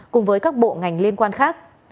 cùng với các bộ ngành liên quan khác